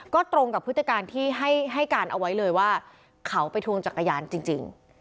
ก็ตรงกับพฤติการที่ให้การเอาไว้เลยว่าเขาไปทวงจักรยานจริง